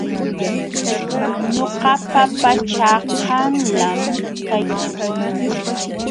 Ñuqapa pachaa qanlam kaykan.